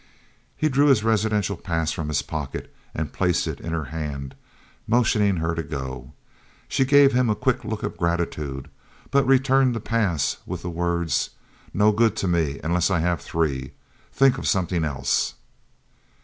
He drew his residential pass from his pocket and placed it in her hand, motioning her to go. She gave him a quick look of gratitude, but returned the pass with the words, "No good to me unless I have three. Think of something else."